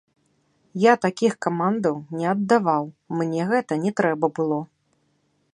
Я такіх камандаў не аддаваў, мне гэта не трэба было.